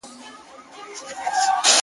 د خپل برباد ژوند د قصي ابتدا څنګه اوکړم